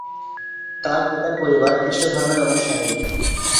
তার পিতার পরিবার খ্রিস্টধর্মের অনুসারী।